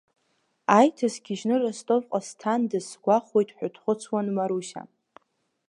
Аиҭа сгьежьны Ростовҟа сцандаз сгәахәуеит ҳәа дхәыцуан Марусиа.